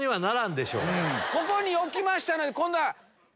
ここに置きましたので今度は。